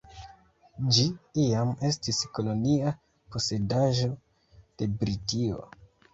Ĝi iam estis kolonia posedaĵo de Britio.